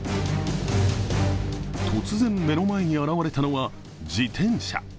突然、目の前に現れたのは自転車。